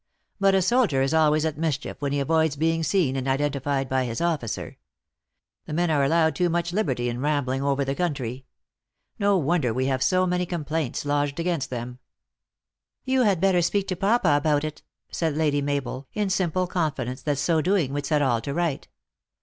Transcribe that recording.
But a soldier is always at mischief when he avoids being seen and identified by his officer. The men are allowed too much liberty in rambling over the country. No THE ACTRESS IN HIGH LIFE. 105 wonder we have so many complaints lodged against them." " You had better speak to papa about it," said Lady Mabel, in simple confidence that so doing would set all to right.